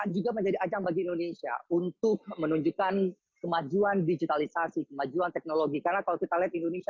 juga menjadi ajang bagi indonesia untuk menunjukkan kemajuan digitalisasi informed teknologi karena